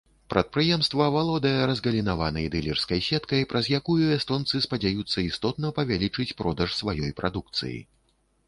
Прадпрыемства валодае разгалінаванай дылерскай сеткай, праз якую эстонцы спадзяюцца істотна павялічыць продаж сваёй прадукцыі.